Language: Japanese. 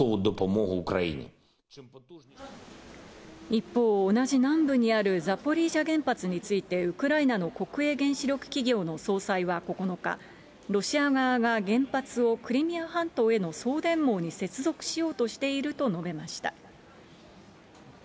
一方、同じ南部にあるザポリージャ原発について、ウクライナの国営原子力企業の総裁は９日、ロシア側が原発をクリミア半島への送電網に接続しようとしていると述べました。